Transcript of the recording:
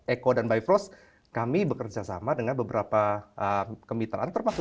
eco dan bifrost kami bekerja sama dengan beberapa kemitraan termasuk